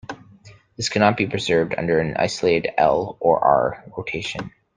This cannot be preserved under an isolated "L" or "R" rotation.